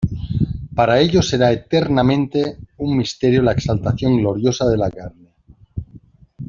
para ellos será eternamente un misterio la exaltación gloriosa de la carne.